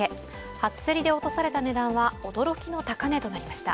初競りで落とされた値段は、驚きの高値となりました。